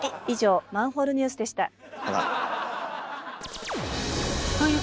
以上「マンホールＮＥＷＳ」でした。